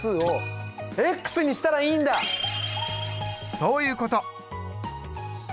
そういうこと！